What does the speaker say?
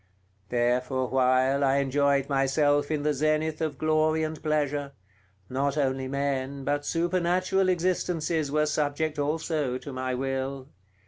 There for a while I enjoyed myself in the zenith of glory and pleasure; not only men, but supernatural existences were subject also to my will.